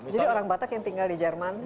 jadi orang batak yang tinggal di jerman